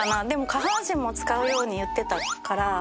でも下半身も使うように言ってたから。